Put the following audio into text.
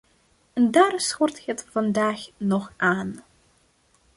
En daar schort het vandaag nog aan.